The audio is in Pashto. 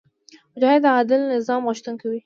مجاهد د عادل نظام غوښتونکی وي.